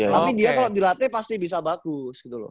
tapi dia kalau dilatih pasti bisa bagus gitu loh